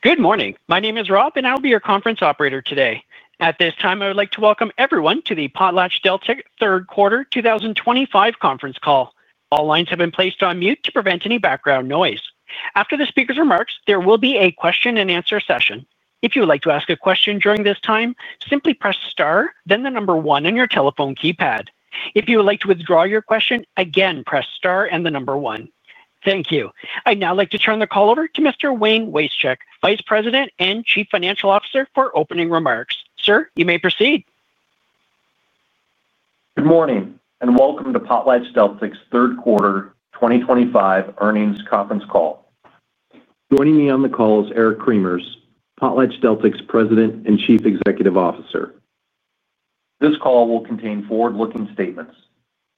Good morning. My name is Rob, and I'll be your conference operator today. At this time, I would like to welcome everyone to the PotlatchDeltic Third Quarter 2025 conference call. All lines have been placed on mute to prevent any background noise. After the speaker's remarks, there will be a question-and-answer session. If you would like to ask a question during this time, simply press Star, then the number one on your telephone keypad. If you would like to withdraw your question, again press Star and the number one. Thank you. I'd now like to turn the call over to Mr. Wayne Wasechek, Vice President and Chief Financial Officer for opening remarks. Sir, you may proceed. Good morning, and welcome to PotlatchDeltic's Third Quarter 2025 earnings conference call. Joining me on the call is Eric Cremers, PotlatchDeltic's President and Chief Executive Officer. This call will contain forward-looking statements.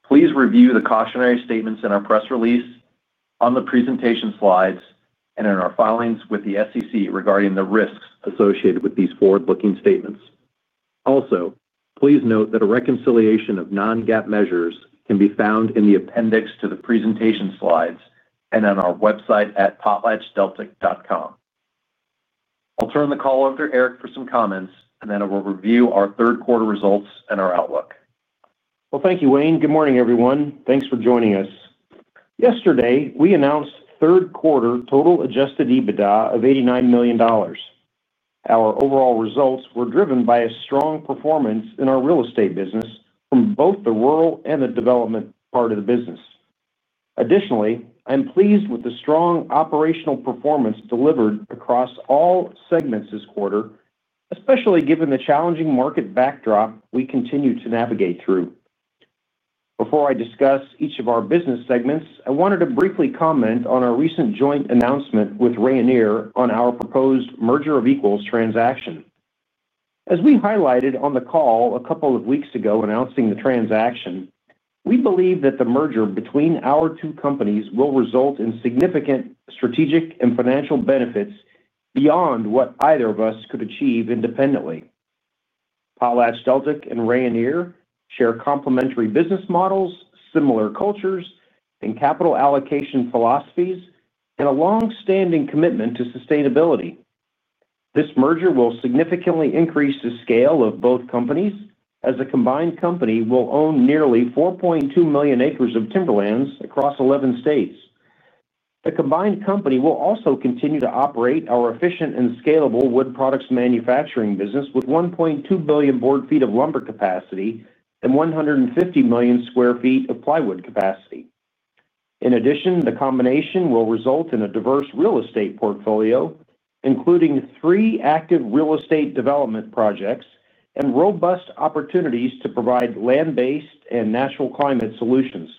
Please review the cautionary statements in our press release, on the presentation slides, and in our filings with the SEC regarding the risks associated with these forward-looking statements. Also, please note that a reconciliation of non-GAAP measures can be found in the appendix to the presentation slides and on our website at potlatchdeltic.com. I'll turn the call over to Eric for some comments, and then we'll review our third quarter results and our outlook. Thank you, Wayne. Good morning, everyone. Thanks for joining us. Yesterday, we announced third quarter total Adjusted EBITDA of $89 million. Our overall results were driven by a strong performance in our real estate business from both the rural and the development part of the business. Additionally, I'm pleased with the strong operational performance delivered across all segments this quarter, especially given the challenging market backdrop we continue to navigate through. Before I discuss each of our business segments, I wanted to briefly comment on our recent joint announcement with Rayonier on our proposed merger of equals transaction. As we highlighted on the call a couple of weeks ago announcing the transaction, we believe that the merger between our two companies will result in significant strategic and financial benefits beyond what either of us could achieve independently. PotlatchDeltic and Rayonier share complementary business models, similar cultures, and capital allocation philosophies, and a long-standing commitment to sustainability. This merger will significantly increase the scale of both companies as a combined company will own nearly 4.2 million acres of timberlands across 11 states. The combined company will also continue to operate our efficient and scalable wood products manufacturing business with 1.2 billion board feet of lumber capacity and 150 million sq ft of plywood capacity. In addition, the combination will result in a diverse real estate portfolio, including three active real estate development projects and robust opportunities to provide land-based and natural climate solutions.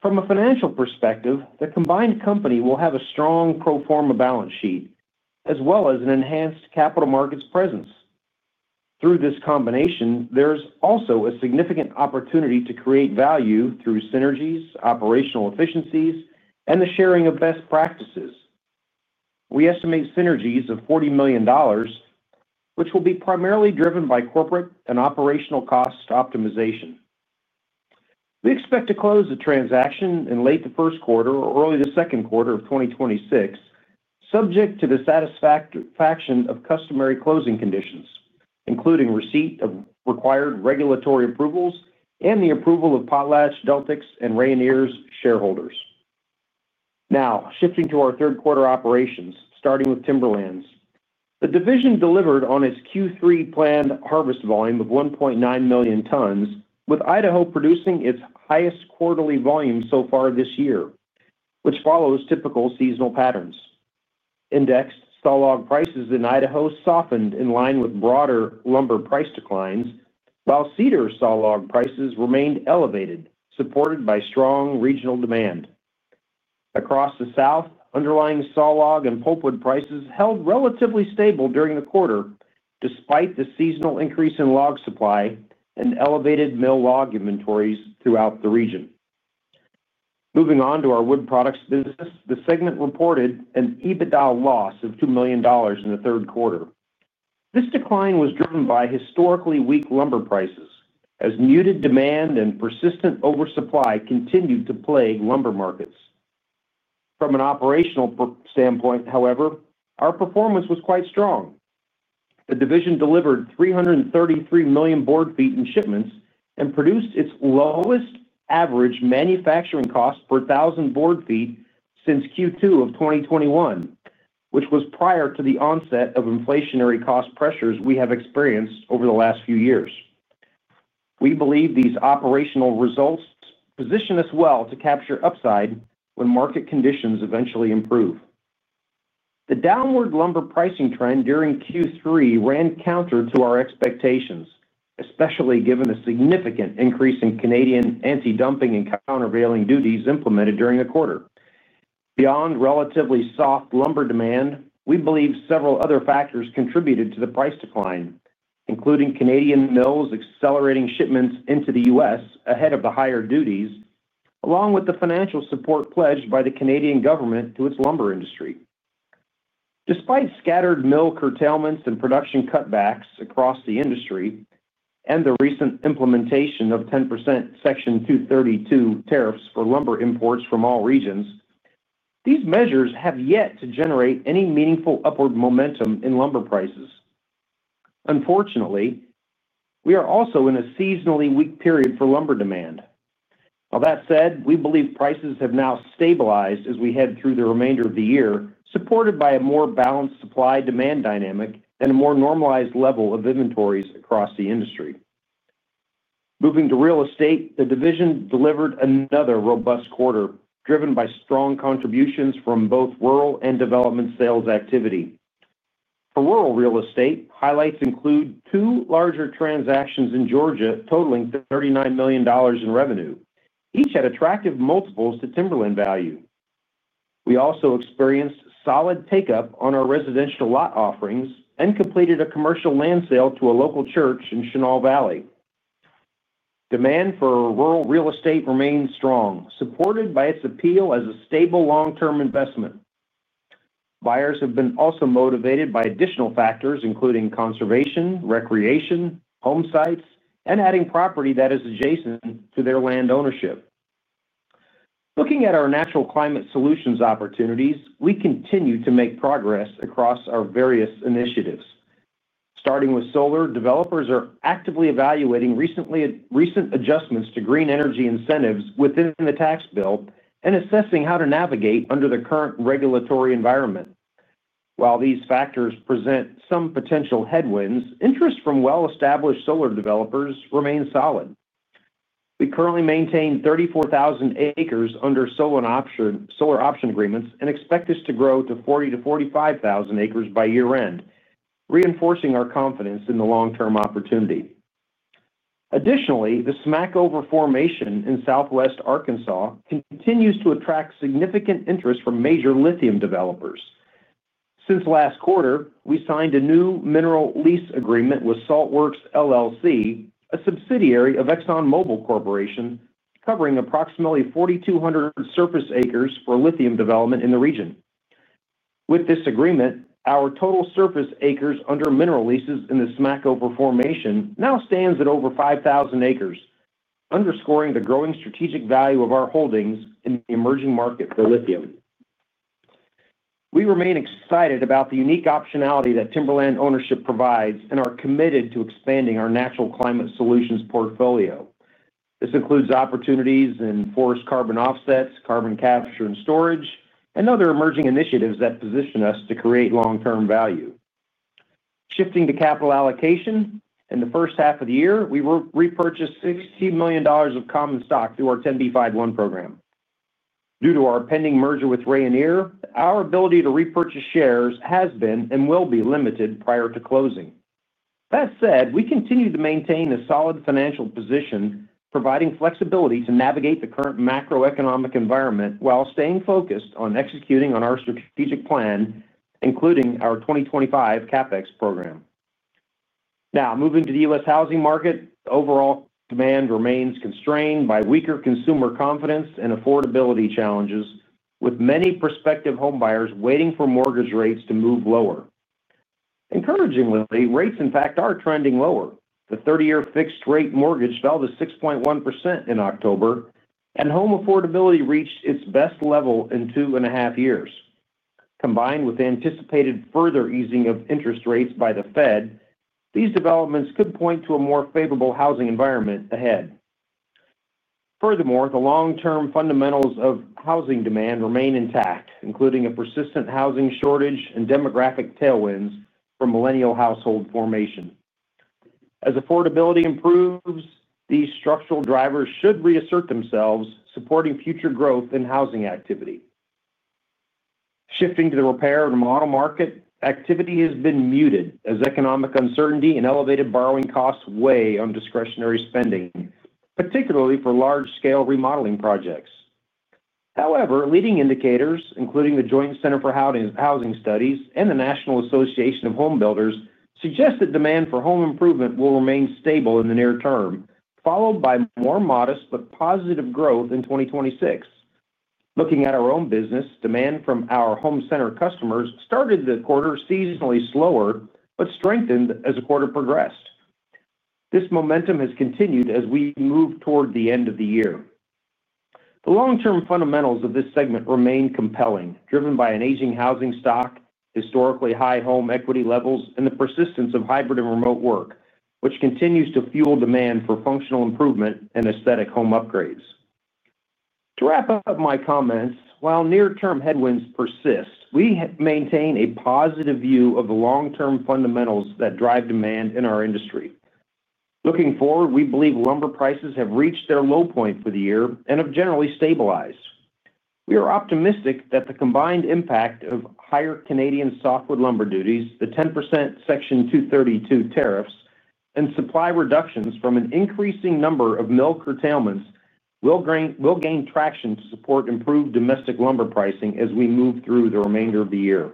From a financial perspective, the combined company will have a strong pro forma balance sheet as well as an enhanced capital markets presence. Through this combination, there's also a significant opportunity to create value through synergies, operational efficiencies, and the sharing of best practices. We estimate synergies of $40 million, which will be primarily driven by corporate and operational cost optimization. We expect to close the transaction in late in the first quarter or early in the second quarter of 2026, subject to the satisfaction of customary closing conditions, including receipt of required regulatory approvals and the approval of PotlatchDeltic's and Rayonier's shareholders. Now, shifting to our third quarter operations, starting with timberlands. The division delivered on its Q3 planned harvest volume of 1.9 million tons, with Idaho producing its highest quarterly volume so far this year, which follows typical seasonal patterns. Indexed sawlogs prices in Idaho softened in line with broader lumber price declines, while cedar sawlogs prices remained elevated, supported by strong regional demand. Across the south, underlying sawlogs and pulpwood prices held relatively stable during the quarter, despite the seasonal increase in log supply and elevated mill log inventories throughout the region. Moving on to our wood products business, the segment reported an EBITDA loss of $2 million in the third quarter. This decline was driven by historically weak lumber prices, as muted demand and persistent oversupply continued to plague lumber markets. From an operational standpoint, however, our performance was quite strong. The division delivered 333 million board feet in shipments and produced its lowest average manufacturing cost per thousand board feet since Q2 of 2021, which was prior to the onset of inflationary cost pressures we have experienced over the last few years. We believe these operational results position us well to capture upside when market conditions eventually improve. The downward lumber pricing trend during Q3 ran counter to our expectations, especially given the significant increase in Canadian anti-dumping and countervailing duties implemented during the quarter. Beyond relatively soft lumber demand, we believe several other factors contributed to the price decline, including Canadian mills accelerating shipments into the U.S. ahead of the higher duties, along with the financial support pledged by the Canadian government to its lumber industry. Despite scattered mill curtailments and production cutbacks across the industry and the recent implementation of 10% Section 232 tariffs for lumber imports from all regions, these measures have yet to generate any meaningful upward momentum in lumber prices. Unfortunately, we are also in a seasonally weak period for lumber demand. While that said, we believe prices have now stabilized as we head through the remainder of the year, supported by a more balanced supply-demand dynamic and a more normalized level of inventories across the industry. Moving to real estate, the division delivered another robust quarter, driven by strong contributions from both rural and development sales activity. For rural real estate, highlights include two larger transactions in Georgia totaling $39 million in revenue, each at attractive multiples to timberland value. We also experienced solid take-up on our residential lot offerings and completed a commercial land sale to a local church in Chenal Valley. Demand for rural real estate remains strong, supported by its appeal as a stable long-term investment. Buyers have been also motivated by additional factors, including conservation, recreation, home sites, and adding property that is adjacent to their land ownership. Looking at our natural climate solutions opportunities, we continue to make progress across our various initiatives. Starting with solar, developers are actively evaluating recent adjustments to green energy incentives within the tax bill and assessing how to navigate under the current regulatory environment. While these factors present some potential headwinds, interest from well-established solar developers remains solid. We currently maintain 34,000 acres under solar option agreements and expect this to grow to 40,000-45,000 acres by year-end, reinforcing our confidence in the long-term opportunity. Additionally, the Smackover formation in southwest Arkansas continues to attract significant interest from major lithium developers. Since last quarter, we signed a new mineral lease agreement with Saltworks LLC, a subsidiary of ExxonMobil Corporation, covering approximately 4,200 surface acres for lithium development in the region. With this agreement, our total surface acres under mineral leases in the Smackover formation now stands at over 5,000 acres, underscoring the growing strategic value of our holdings in the emerging market for lithium. We remain excited about the unique optionality that timberland ownership provides and are committed to expanding our natural climate solutions portfolio. This includes opportunities in forest carbon offsets, carbon capture and storage, and other emerging initiatives that position us to create long-term value. Shifting to capital allocation, in the first half of the year, we repurchased $60 million of common stock through our 10b5-1 program. Due to our pending merger with Rayonier, our ability to repurchase shares has been and will be limited prior to closing. That said, we continue to maintain a solid financial position, providing flexibility to navigate the current macroeconomic environment while staying focused on executing on our strategic plan, including our 2025 CapEx program. Now, moving to the U.S. housing market, overall demand remains constrained by weaker consumer confidence and affordability challenges, with many prospective homebuyers waiting for mortgage rates to move lower. Encouragingly, rates, in fact, are trending lower. The 30-year fixed-rate mortgage fell to 6.1% in October, and home affordability reached its best level in two and a half years. Combined with the anticipated further easing of interest rates by the Fed, these developments could point to a more favorable housing environment ahead. Furthermore, the long-term fundamentals of housing demand remain intact, including a persistent housing shortage and demographic tailwinds from millennial household formation. As affordability improves, these structural drivers should reassert themselves, supporting future growth in housing activity. Shifting to the repair and remodel market, activity has been muted as economic uncertainty and elevated borrowing costs weigh on discretionary spending, particularly for large-scale remodeling projects. However, leading indicators, including the Joint Center for Housing Studies and the National Association of Home Builders, suggest that demand for home improvement will remain stable in the near term, followed by more modest but positive growth in 2026. Looking at our own business, demand from our home center customers started the quarter seasonally slower but strengthened as the quarter progressed. This momentum has continued as we move toward the end of the year. The long-term fundamentals of this segment remain compelling, driven by an aging housing stock, historically high home equity levels, and the persistence of hybrid and remote work, which continues to fuel demand for functional improvement and aesthetic home upgrades. To wrap up my comments, while near-term headwinds persist, we maintain a positive view of the long-term fundamentals that drive demand in our industry. Looking forward, we believe lumber prices have reached their low point for the year and have generally stabilized. We are optimistic that the combined impact of higher Canadian softwood lumber duties, the 10% Section 232 tariffs, and supply reductions from an increasing number of mill curtailments will gain traction to support improved domestic lumber pricing as we move through the remainder of the year.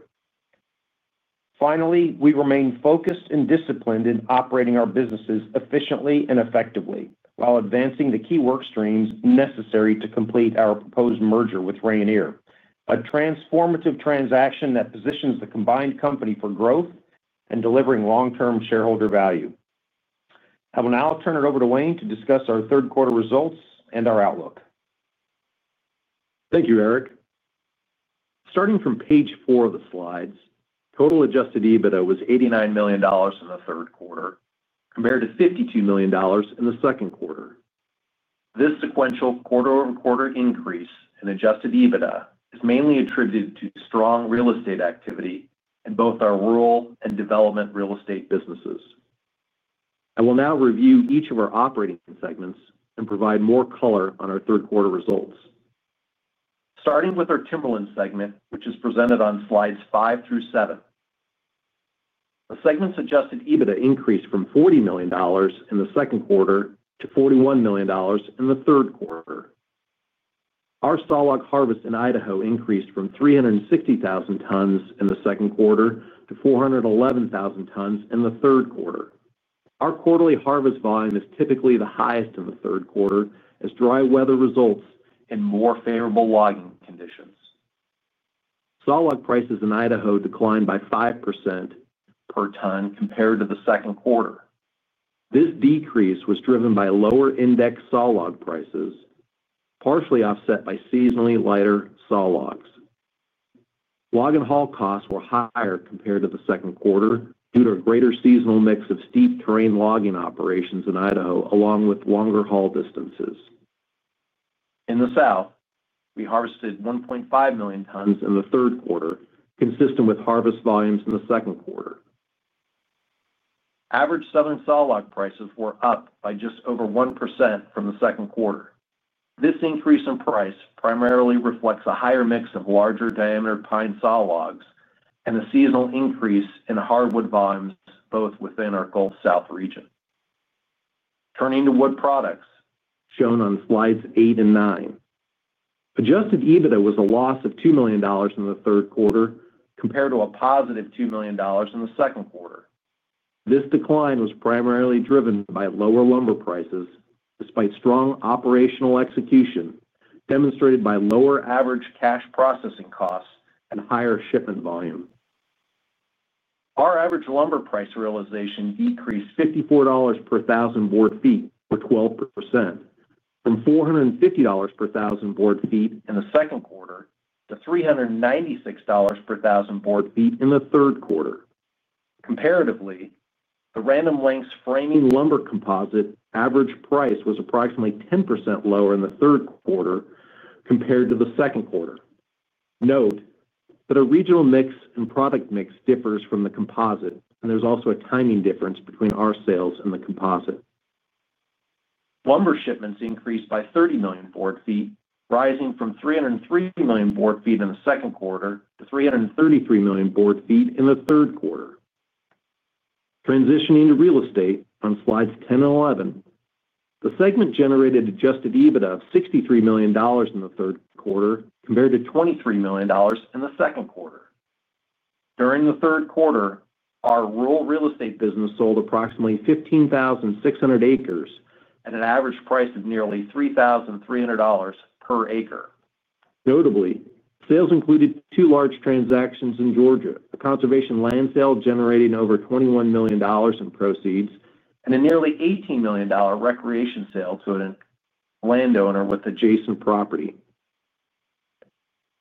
Finally, we remain focused and disciplined in operating our businesses efficiently and effectively while advancing the key work streams necessary to complete our proposed merger with Rayonier, a transformative transaction that positions the combined company for growth and delivering long-term shareholder value. I will now turn it over to Wayne to discuss our third quarter results and our outlook. Thank you, Eric. Starting from page four of the slides, total Adjusted EBITDA was $89 million in the third quarter, compared to $52 million in the second quarter. This sequential quarter-over-quarter increase in Adjusted EBITDA is mainly attributed to strong real estate activity in both our rural and development real estate businesses. I will now review each of our operating segments and provide more color on our third quarter results. Starting with our timberland segment, which is presented on slides five through seven. The segment's Adjusted EBITDA increased from $40 million in the second quarter to $41 million in the third quarter. Our sawlog harvest in Idaho increased from 360,000 tons in the second quarter to 411,000 tons in the third quarter. Our quarterly harvest volume is typically the highest in the third quarter as dry weather results in more favorable logging conditions. Sawlog prices in Idaho declined by 5% per ton compared to the second quarter. This decrease was driven by lower index sawlog prices, partially offset by seasonally lighter sawlogs. Log and haul costs were higher compared to the second quarter due to a greater seasonal mix of steep terrain logging operations in Idaho, along with longer haul distances. In the south, we harvested 1.5 million tons in the third quarter, consistent with harvest volumes in the second quarter. Average southern sawlog prices were up by just over 1% from the second quarter. This increase in price primarily reflects a higher mix of larger diameter pine sawlogs and a seasonal increase in hardwood volumes both within our Gulf South region. Turning to wood products, shown on slides eight and nine. Adjusted EBITDA was a loss of $2 million in the third quarter compared to a positive $2 million in the second quarter. This decline was primarily driven by lower lumber prices, despite strong operational execution demonstrated by lower average cash processing costs and higher shipment volume. Our average lumber price realization decreased $54 per thousand board feet for 12%, from $450 per thousand board feet in the second quarter to $396 per thousand board feet in the third quarter. Comparatively, the Random Lengths Framing Lumber Composite average price was approximately 10% lower in the third quarter compared to the second quarter. Note that our regional mix and product mix differs from the composite, and there's also a timing difference between our sales and the composite. Lumber shipments increased by 30 million board feet, rising from 303 million board feet in the second quarter to 333 million board feet in the third quarter. Transitioning to real estate on slides 10 and 11, the segment generated Adjusted EBITDA of $63 million in the third quarter compared to $23 million in the second quarter. During the third quarter, our rural real estate business sold approximately 15,600 acres at an average price of nearly $3,300 per acre. Notably, sales included two large transactions in Georgia, a conservation land sale generating over $21 million in proceeds and a nearly $18 million recreation sale to a landowner with adjacent property.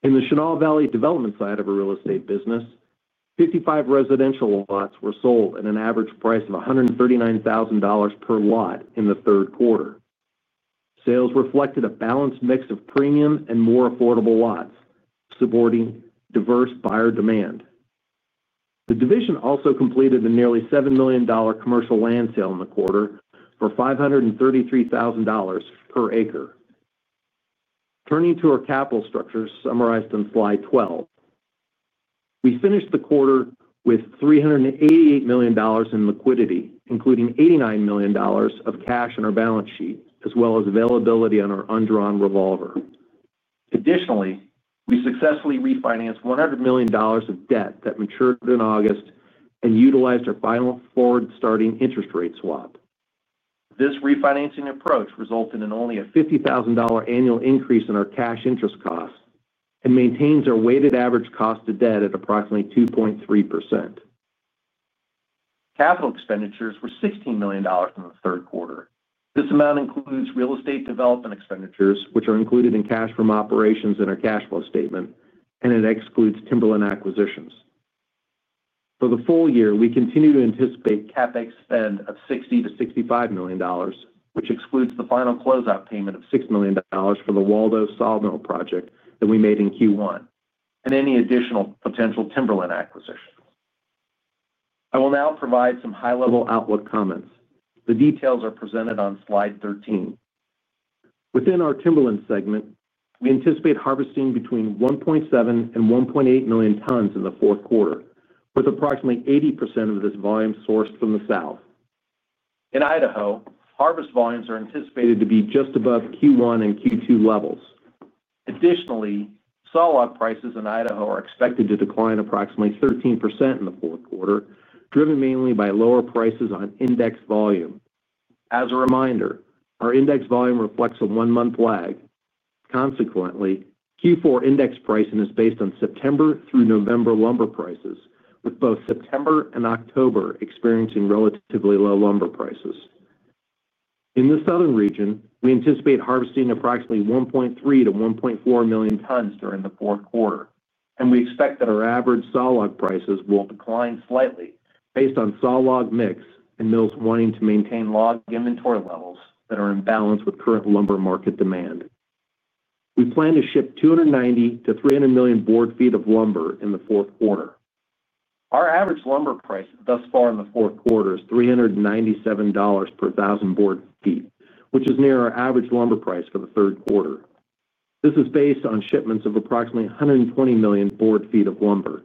In the Chenal Valley development side of our real estate business, 55 residential lots were sold at an average price of $139,000 per lot in the third quarter. Sales reflected a balanced mix of premium and more affordable lots, supporting diverse buyer demand. The division also completed the nearly $7 million commercial land sale in the quarter for $533,000 per acre. Turning to our capital structure summarized on slide 12. We finished the quarter with $388 million in liquidity, including $89 million of cash on our balance sheet, as well as availability on our undrawn revolver. Additionally, we successfully refinanced $100 million of debt that matured in August and utilized our final forward-starting interest rate swap. This refinancing approach resulted in only a $50,000 annual increase in our cash interest costs and maintains our weighted average cost of debt at approximately 2.3%. Capital expenditures were $16 million in the third quarter. This amount includes real estate development expenditures, which are included in cash from operations in our cash flow statement, and it excludes timberland acquisitions. For the full year, we continue to anticipate CapEx spend of $60-$65 million, which excludes the final closeout payment of $6 million for the Waldo sawmill project that we made in Q1 and any additional potential timberland acquisitions. I will now provide some high-level outlook comments. The details are presented on slide 13. Within our timberland segment, we anticipate harvesting between 1.7 and 1.8 million tons in the fourth quarter, with approximately 80% of this volume sourced from the south. In Idaho, harvest volumes are anticipated to be just above Q1 and Q2 levels. Additionally, sawlog prices in Idaho are expected to decline approximately 13% in the fourth quarter, driven mainly by lower prices on index volume. As a reminder, our index volume reflects a one-month lag. Consequently, Q4 index pricing is based on September through November lumber prices, with both September and October experiencing relatively low lumber prices. In the southern region, we anticipate harvesting approximately 1.3-1.4 million tons during the fourth quarter, and we expect that our average sawlog prices will decline slightly based on sawlog mix and mills wanting to maintain log inventory levels that are in balance with current lumber market demand. We plan to ship 290-300 million board feet of lumber in the fourth quarter. Our average lumber price thus far in the fourth quarter is $397 per thousand board feet, which is near our average lumber price for the third quarter. This is based on shipments of approximately 120 million board feet of lumber.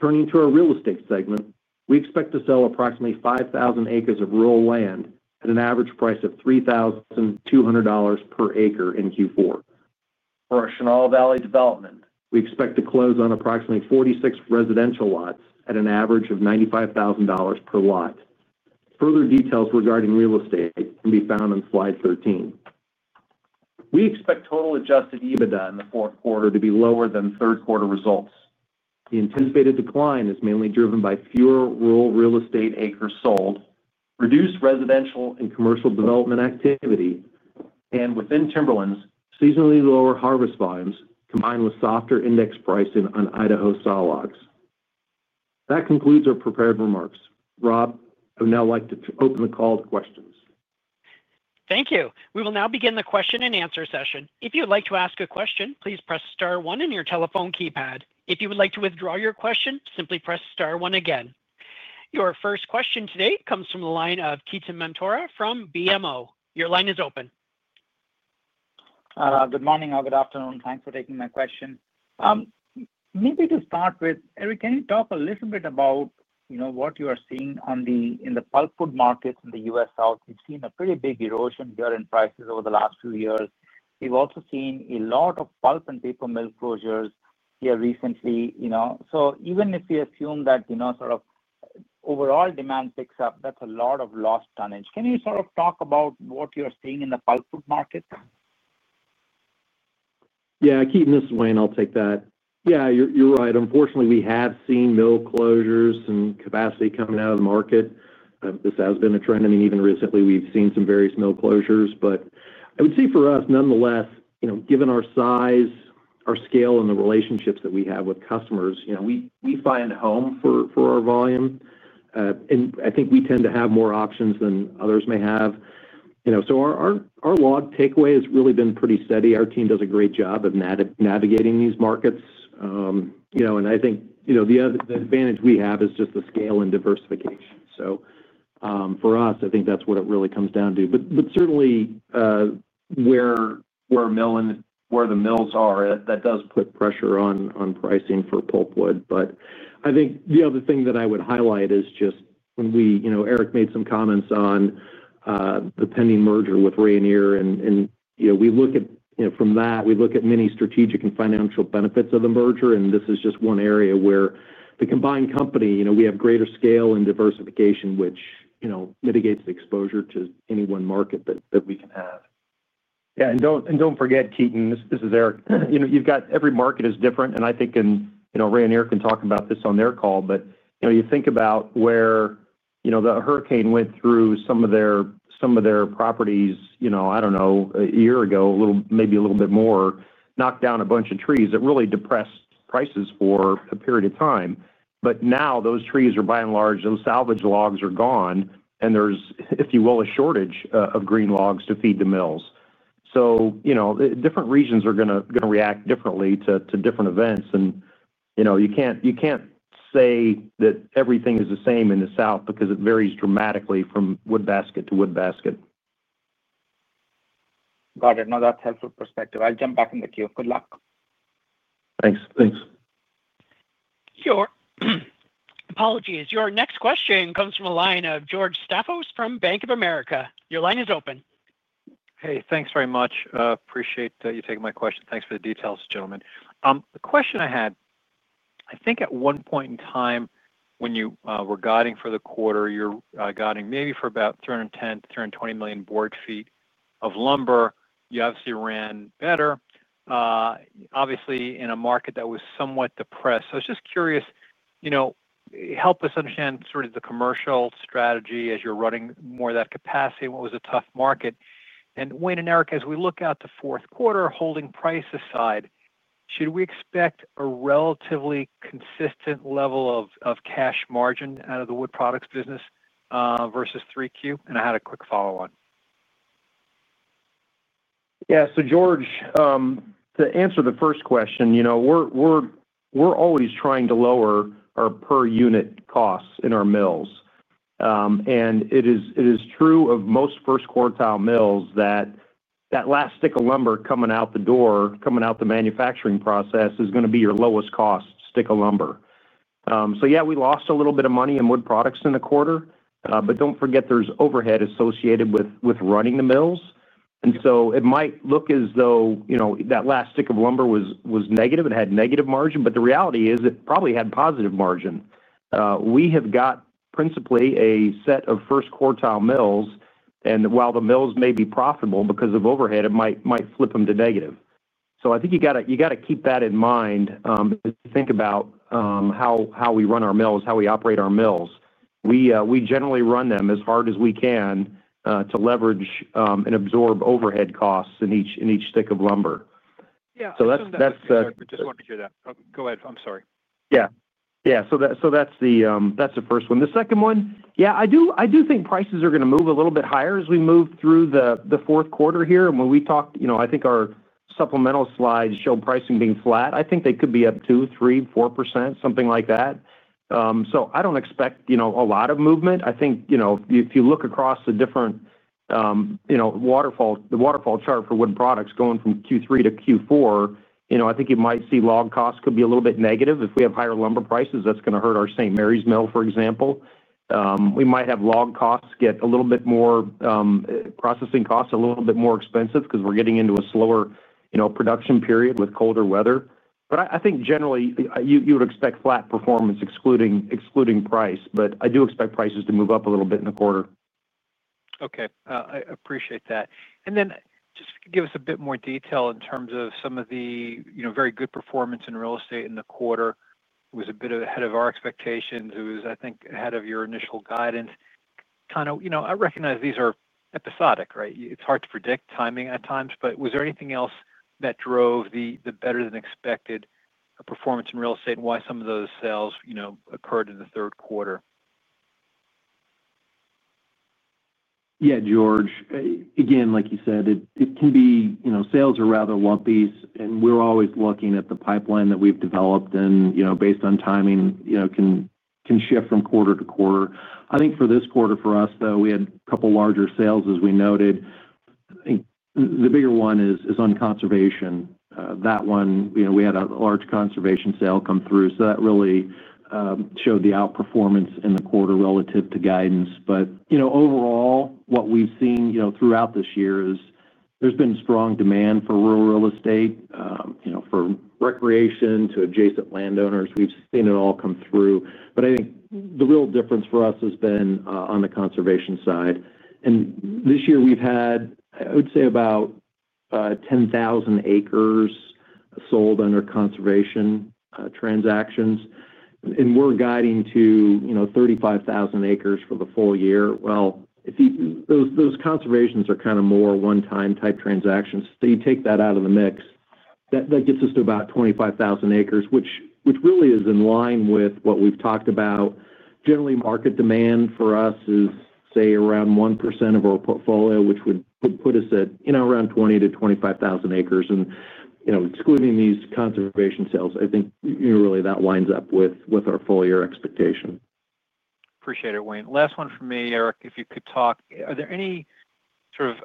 Turning to our real estate segment, we expect to sell approximately 5,000 acres of rural land at an average price of $3,200 per acre in Q4. For our Chenal Valley development, we expect to close on approximately 46 residential lots at an average of $95,000 per lot. Further details regarding real estate can be found on slide 13. We expect total Adjusted EBITDA in the fourth quarter to be lower than third quarter results. The anticipated decline is mainly driven by fewer rural real estate acres sold, reduced residential and commercial development activity, and within timberlands, seasonally lower harvest volumes combined with softer index pricing on Idaho sawlogs. That concludes our prepared remarks. Rob, I would now like to open the call to questions. Thank you. We will now begin the question and answer session. If you'd like to ask a question, please press star one in your telephone keypad. If you would like to withdraw your question, simply press star one again. Your first question today comes from the line of Ketan Mamtora from BMO. Your line is open. Good morning or good afternoon. Thanks for taking my question. Maybe to start with, Eric, can you talk a little bit about what you are seeing in the pulpwood markets in the U.S. South? We've seen a pretty big erosion here in prices over the last few years. We've also seen a lot of pulp and paper mill closures here recently. So even if we assume that sort of overall demand picks up, that's a lot of lost tonnage. Can you sort of talk about what you're seeing in the pulpwood market? Yeah. Keeping this in mind, I'll take that. Yeah, you're right. Unfortunately, we have seen mill closures and capacity coming out of the market. This has been a trend. I mean, even recently, we've seen some various mill closures. But I would say for us, nonetheless, given our size, our scale, and the relationships that we have with customers, we find home for our volume. And I think we tend to have more options than others may have. So our log takeaway has really been pretty steady. Our team does a great job of navigating these markets. And I think the advantage we have is just the scale and diversification. So for us, I think that's what it really comes down to. But certainly. Where the mills are, that does put pressure on pricing for pulpwood. But I think the other thing that I would highlight is just when Eric made some comments on. The pending merger with Rayonier, and we look at from that, we look at many strategic and financial benefits of the merger. And this is just one area where the combined company, we have greater scale and diversification, which mitigates the exposure to any one market that we can have. Yeah. And don't forget, Ketan, this is Eric. You've got every market is different. And I think Rayonier can talk about this on their call. But you think about where. The hurricane went through some of their. Properties, I don't know, a year ago, maybe a little bit more, knocked down a bunch of trees that really depressed prices for a period of time. But now those trees are, by and large, those salvage logs are gone. And there's, if you will, a shortage of green logs to feed the mills. So. Different regions are going to react differently to different events. And you can't say that everything is the same in the south because it varies dramatically from wood basket to wood basket. Got it. No, that's helpful perspective. I'll jump back in the queue. Good luck. Thanks. Thanks. Sure. Apologies. Your next question comes from a line of George Staphos from Bank of America. Your line is open. Hey, thanks very much. Appreciate you taking my question. Thanks for the details, gentlemen. The question I had, I think at one point in time when you were guiding for the quarter, you're guiding maybe for about 310-320 million board feet of lumber. You obviously ran better. Obviously, in a market that was somewhat depressed. So I was just curious. Help us understand sort of the commercial strategy as you're running more of that capacity. What was a tough market? And Wayne and Eric, as we look out the fourth quarter, holding price aside, should we expect a relatively consistent level of cash margin out of the wood products business. Versus 3Q? And I had a quick follow-on. Yeah. So George. To answer the first question, we're always trying to lower our per unit costs in our mills. And it is true of most first quartile mills that. That last stick of lumber coming out the door, coming out the manufacturing process, is going to be your lowest cost stick of lumber. So yeah, we lost a little bit of money in wood products in the quarter. But don't forget there's overhead associated with running the mills. And so it might look as though that last stick of lumber was negative and had negative margin. But the reality is it probably had positive margin. We have got principally a set of first quartile mills. And while the mills may be profitable because of overhead, it might flip them to negative. So I think you got to keep that in mind. If you think about how we run our mills, how we operate our mills, we generally run them as hard as we can to leverage and absorb overhead costs in each stick of lumber. Yeah. So that's the. I just wanted to hear that. Go ahead. I'm sorry. Yeah. Yeah. So that's the first one. The second one, yeah, I do think prices are going to move a little bit higher as we move through the fourth quarter here. And when we talked, I think our supplemental slides showed pricing being flat. I think they could be up 2%, 3%, 4%, something like that. So I don't expect a lot of movement. I think if you look across the different waterfall, the waterfall chart for wood products going from Q3 to Q4, I think you might see log costs could be a little bit negative. If we have higher lumber prices, that's going to hurt our St. Mary's mill, for example. We might have log costs get a little bit more. Processing costs a little bit more expensive because we're getting into a slower production period with colder weather. But I think generally you would expect flat performance, excluding price. But I do expect prices to move up a little bit in the quarter. Okay. I appreciate that. And then just give us a bit more detail in terms of some of the very good performance in real estate in the quarter. It was a bit ahead of our expectations. It was, I think, ahead of your initial guidance. Kind of I recognize these are episodic, right? It's hard to predict timing at times. But was there anything else that drove the better-than-expected performance in real estate and why some of those sales occurred in the third quarter? Yeah, George. Again, like you said, it can be sales are rather lumpy, and we're always looking at the pipeline that we've developed. And based on timing, it can shift from quarter to quarter. I think for this quarter, for us, though, we had a couple of larger sales, as we noted. I think the bigger one is on conservation. That one, we had a large conservation sale come through. So that really showed the outperformance in the quarter relative to guidance. But overall, what we've seen throughout this year is there's been strong demand for rural real estate, for recreation, to adjacent landowners. We've seen it all come through. But I think the real difference for us has been on the conservation side. And this year, we've had, I would say, about 10,000 acres sold under conservation transactions. And we're guiding to 35,000 acres for the full year. Well, those conservations are kind of more one-time type transactions. So you take that out of the mix, that gets us to about 25,000 acres, which really is in line with what we've talked about. Generally, market demand for us is, say, around 1% of our portfolio, which would put us at around 20,000-25,000 acres. And excluding these conservation sales, I think really that lines up with our full year expectation. Appreciate it, Wayne. Last one for me, Eric, if you could talk. Are there any sort of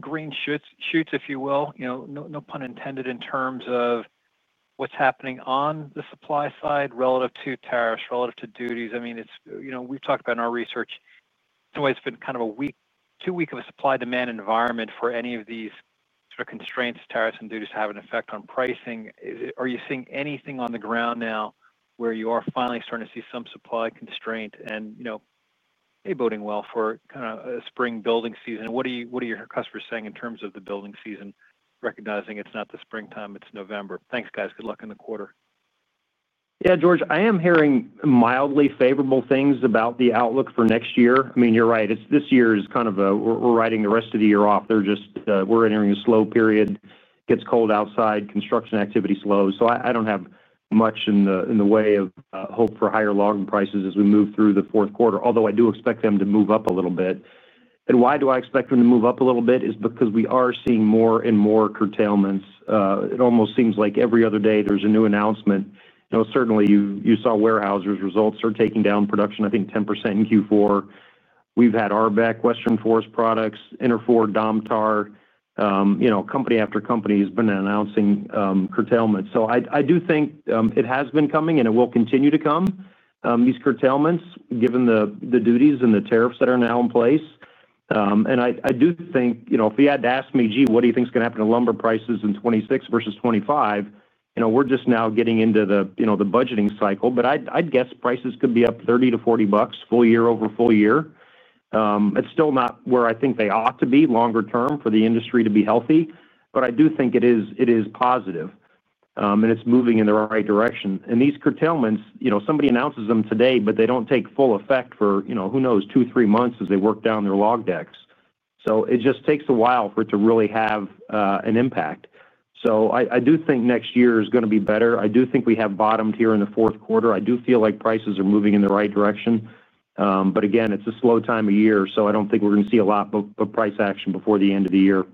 green shoots, if you will? No pun intended in terms of what's happening on the supply side relative to tariffs, relative to duties. I mean, we've talked about in our research. In some ways, it's been kind of a two-way of a supply-demand environment for any of these sort of constraints, tariffs, and duties to have an effect on pricing. Are you seeing anything on the ground now where you are finally starting to see some supply constraint and maybe building well for kind of a spring building season? What are your customers saying in terms of the building season, recognizing it's not the springtime, it's November? Thanks, guys. Good luck in the quarter. Yeah, George, I am hearing mildly favorable things about the outlook for next year. I mean, you're right. This year is kind of a we're riding the rest of the year off. We're entering a slow period. It gets cold outside, construction activity slows. So I don't have much in the way of hope for higher logging prices as we move through the fourth quarter, although I do expect them to move up a little bit. And why do I expect them to move up a little bit? It's because we are seeing more and more curtailments. It almost seems like every other day there's a new announcement. Certainly, you saw Weyerhaeuser's results are taking down production, I think, 10% in Q4. We've had Arbec, Western Forest Products, Interfor, Domtar. Company after company has been announcing curtailments. So I do think it has been coming, and it will continue to come, these curtailments, given the duties and the tariffs that are now in place. And I do think if you had to ask me, "Gee, what do you think's going to happen to lumber prices in 2026 versus 2025?" We're just now getting into the budgeting cycle. But I'd guess prices could be up $30-$40 full year over full year. It's still not where I think they ought to be longer term for the industry to be healthy. But I do think it is positive. And it's moving in the right direction. And these curtailments, somebody announces them today, but they don't take full effect for, who knows, two, three months as they work down their log decks. So it just takes a while for it to really have an impact. So I do think next year is going to be better. I do think we have bottomed here in the fourth quarter. I do feel like prices are moving in the right direction. But again, it's a slow time of year. So I don't think we're going to see a lot of price action before the end of the year.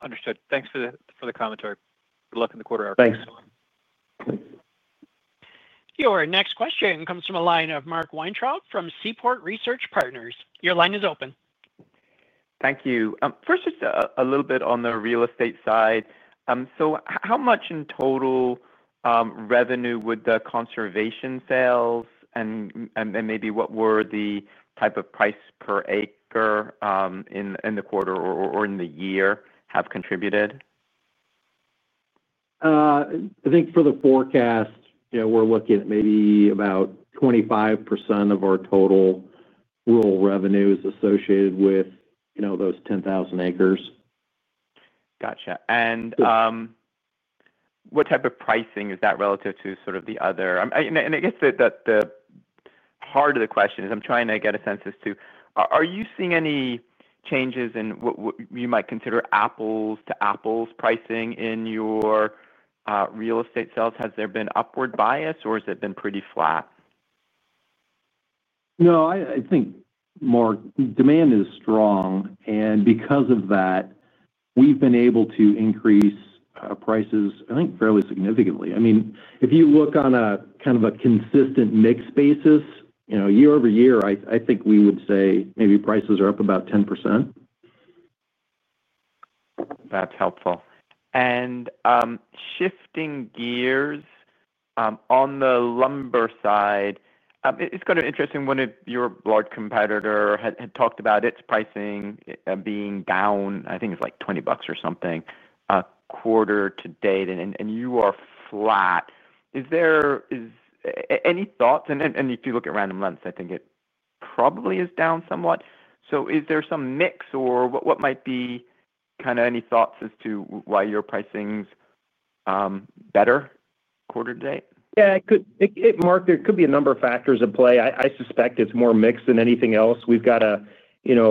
Understood. Thanks for the commentary. Good luck in the quarter, Eric. Thanks. Your next question comes from a line of Mark Weintraub from Seaport Research Partners. Your line is open. Thank you. First, just a little bit on the real estate side. So how much in total. Revenue from the conservation sales and maybe what were the type of price per acre. In the quarter or in the year, have contributed? I think for the forecast, we're looking at maybe about 25% of our total rural revenues associated with those 10,000 acres. Gotcha. What type of pricing is that relative to sort of the other? I guess the heart of the question is I'm trying to get a sense as to are you seeing any changes in what you might consider apples-to-apples pricing in your real estate sales? Has there been upward bias, or has it been pretty flat? No, I think demand is strong. Because of that, we've been able to increase prices, I think, fairly significantly. I mean, if you look on a kind of a consistent mix basis, year-over-year, I think we would say maybe prices are up about 10%. That's helpful. Shifting gears. On the lumber side, it's kind of interesting. One of your large competitors had talked about its pricing being down. I think it's like $20 or something quarter to date, and you are flat. Any thoughts? If you look at Random Lengths, I think it probably is down somewhat. So is there some mix, or what might be kind of any thoughts as to why your pricing's better quarter to date? Yeah. Mark, there could be a number of factors at play. I suspect it's more mix than anything else. We've got a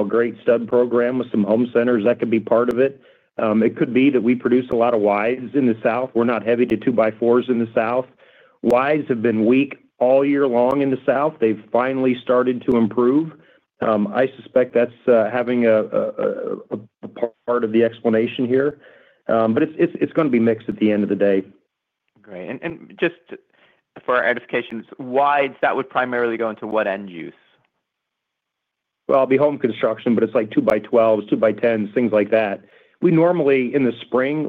great stud program with some home centers. That could be part of it. It could be that we produce a lot of wides in the south. We're not heavy to two-by-fours in the south. Wides have been weak all year long in the south. They've finally started to improve. I suspect that's having a part of the explanation here. But it's going to be mix at the end of the day. Great. Just for our edification, wides, that would primarily go into what end use? Well, it'll be home construction, but it's like 2x12s, 2x10s, things like that. We normally, in the spring,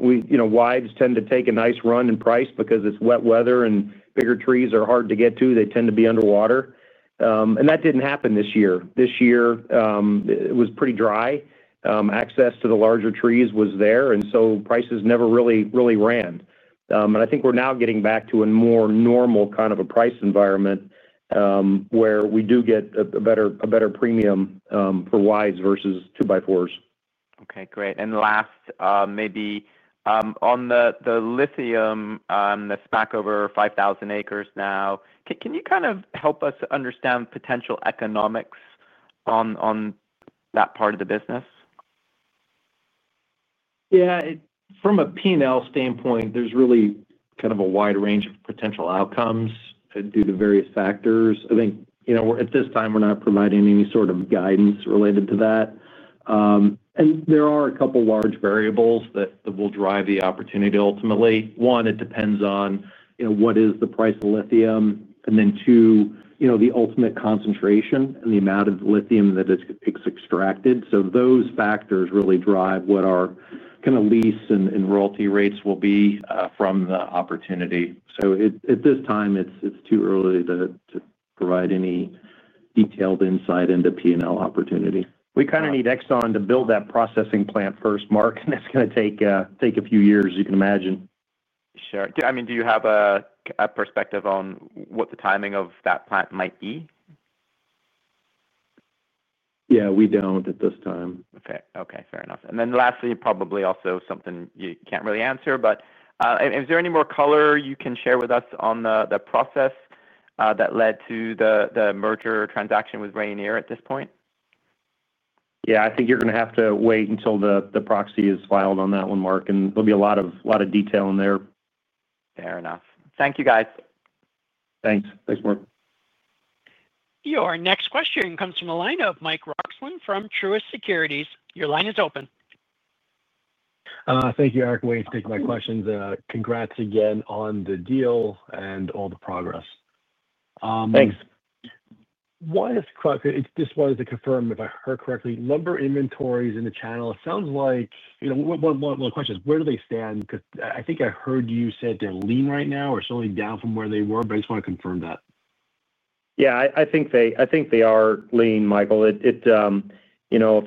wides tend to take a nice run in price because it's wet weather and bigger trees are hard to get to. They tend to be underwater. That didn't happen this year. This year, it was pretty dry. Access to the larger trees was there. Prices never really ran. I think we're now getting back to a more normal kind of a price environment where we do get a better premium for wides versus two-by-fours. Okay. Great. Last, maybe, on the lithium, the lease over 5,000 acres now, can you kind of help us understand potential economics on that part of the business? Yeah. From a P&L standpoint, there's really kind of a wide range of potential outcomes due to various factors. I think at this time, we're not providing any sort of guidance related to that. And there are a couple of large variables that will drive the opportunity ultimately. One, it depends on what is the price of lithium. And then two, the ultimate concentration and the amount of lithium that is extracted. So those factors really drive what our kind of lease and royalty rates will be from the opportunity. So at this time, it's too early to provide any detailed insight into P&L opportunity. We kind of need Exxon to build that processing plant first, Mark. And that's going to take a few years, you can imagine. Sure. I mean, do you have a perspective on what the timing of that plant might be? Yeah, we don't at this time. Okay. Okay. Fair enough. And then lastly, probably also something you can't really answer, but is there any more color you can share with us on the process that led to the merger transaction with Rayonier at this point? Yeah. I think you're going to have to wait until the proxy is filed on that one, Mark. And there'll be a lot of detail in there. Fair enough. Thank you, guys. Thanks. Thanks, Mark. Your next question comes from a line of Michael Roxland from Truist Securities. Your line is open. Thank you, Eric. Wayne's taking my questions. Congrats again on the deal and all the progress. Thanks. Just wanted to confirm if I heard correctly, lumber inventories in the channel, it sounds like one of the questions is where do they stand? Because I think I heard you say they're lean right now, or it's only down from where they were, but I just want to confirm that. Yeah. I think they are lean, Michael. If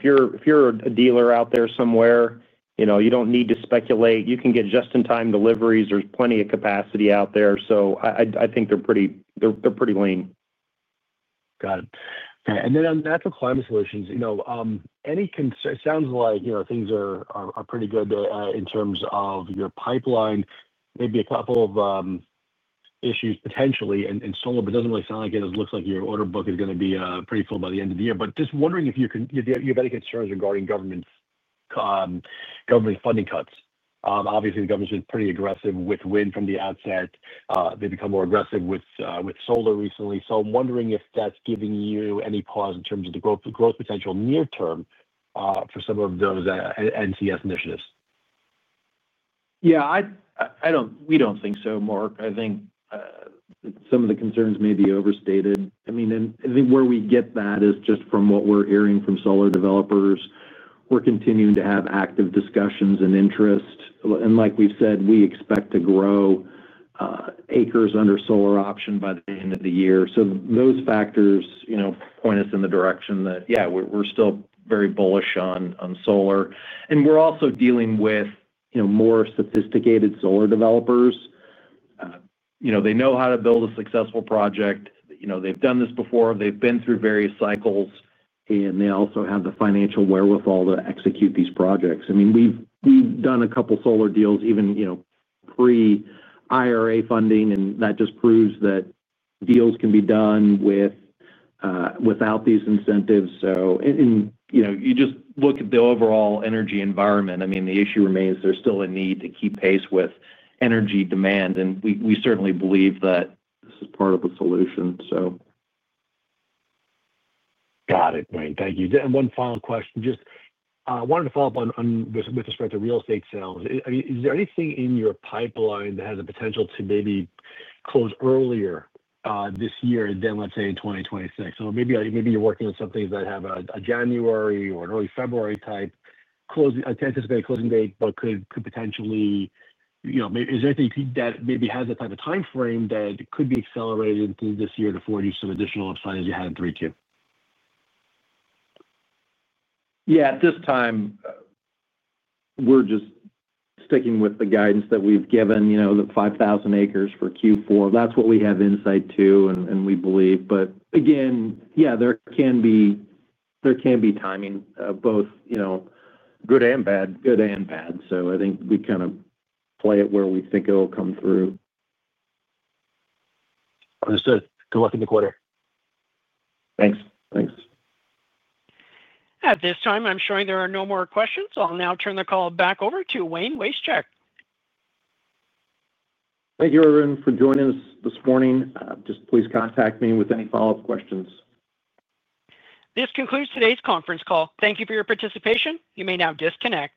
you're a dealer out there somewhere, you don't need to speculate. You can get just-in-time deliveries. There's plenty of capacity out there. So I think they're pretty lean. Got it. Okay. And then on natural climate solutions. It sounds like things are pretty good in terms of your pipeline. Maybe a couple of issues potentially in solar, but it doesn't really sound like it. It looks like your order book is going to be pretty full by the end of the year. But just wondering if you have any concerns regarding government funding cuts. Obviously, the government's been pretty aggressive with wind from the outset. They've become more aggressive with solar recently. So I'm wondering if that's giving you any pause in terms of the growth potential near-term for some of those NCS initiatives. Yeah. We don't think so, Mark. I think some of the concerns may be overstated. I mean, I think where we get that is just from what we're hearing from solar developers. We're continuing to have active discussions and interest. And like we've said, we expect to grow acres under solar option by the end of the year. So those factors point us in the direction that, yeah, we're still very bullish on solar. And we're also dealing with. More sophisticated solar developers. They know how to build a successful project. They've done this before. They've been through various cycles. And they also have the financial wherewithal to execute these projects. I mean, we've done a couple of solar deals, even. Pre-IRA funding. And that just proves that deals can be done. Without these incentives. And you just look at the overall energy environment. I mean, the issue remains there's still a need to keep pace with energy demand. And we certainly believe that this is part of the solution, so. Got it, Wayne. Thank you. And one final question. Just wanted to follow up with respect to real estate sales. I mean, is there anything in your pipeline that has a potential to maybe close earlier this year than, let's say, in 2026? So maybe you're working on something that have a January or an early February type closing anticipated closing date, but could potentially. Is there anything that maybe has a type of time frame that could be accelerated into this year to afford you some additional upside as you had in 2023? Yeah. At this time. We're just sticking with the guidance that we've given, the 5,000 acres for Q4. That's what we have insight to and we believe. But again, yeah, there can be. Timing, both. Good and bad. Good and bad. So I think we kind of play it where we think it'll come through. Understood. Good luck in the quarter. Thanks. Thanks. At this time, I'm showing there are no more questions. I'll now turn the call back over to Wayne Wasechek. Thank you, everyone, for joining us this morning. Just please contact me with any follow-up questions. This concludes today's conference call. Thank you for your participation. You may now disconnect.